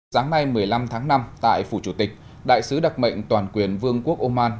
sáng nay một mươi năm tháng năm tại phủ chủ tịch đại sứ đặc mệnh toàn quyền vương quốc oman